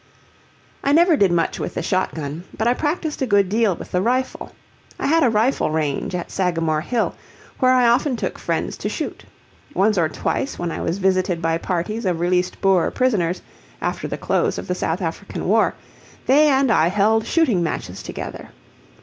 I never did much with the shotgun, but I practiced a good deal with the rifle. I had a rifle range at Sagamore Hill, where I often took friends to shoot. Once or twice when I was visited by parties of released Boer prisoners, after the close of the South African War, they and I held shooting matches together.